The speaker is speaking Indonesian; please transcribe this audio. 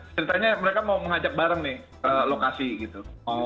ceritanya mereka mau mengajak bareng nih ke lokasi gitu